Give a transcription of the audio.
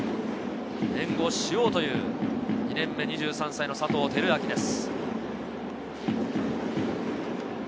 援護しようという２年目、２３歳の佐藤輝明です。